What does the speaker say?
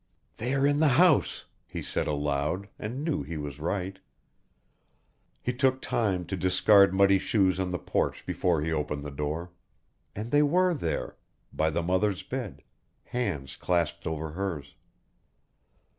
"They are in the house," he said aloud and knew he was right. He took time to discard muddy shoes on the porch before he opened the door. And they were there by the mother's bed, hands clasped over hers.